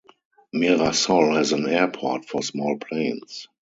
Mirassol has an airport for small planes.